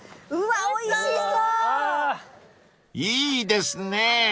［いいですね］